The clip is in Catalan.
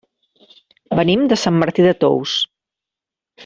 Venim de Sant Martí de Tous.